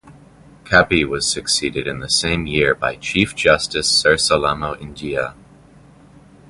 Kapi was succeeded the same year by Chief Justice Sir Salamo Injia.